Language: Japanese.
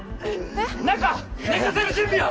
中寝かせる準備を！